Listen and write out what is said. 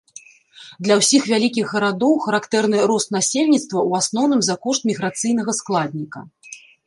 Для ўсіх вялікіх гарадоў характэрны рост насельніцтва ў асноўным за кошт міграцыйнага складніка.